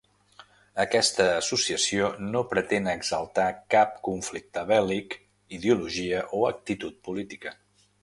Aquesta associació no pretén exaltar cap conflicte bèl·lic, ideologia o actitud política.